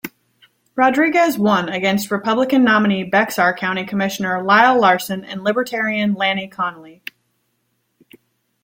Rodriguez won against Republican nominee Bexar County Commissioner Lyle Larson and Libertarian Lani Connolly.